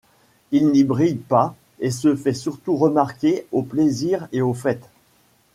Il n'y brille pas et se fait surtout remarquer aux plaisirs et aux fêtes.